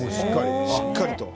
しっかりと。